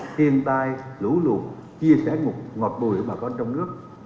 thiền tai lũ lụt chia sẻ một ngọt bùi bà con trong nước